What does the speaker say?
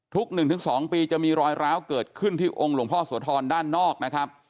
๑๒ปีจะมีรอยร้าวเกิดขึ้นที่องค์หลวงพ่อโสธรด้านนอกนะครับ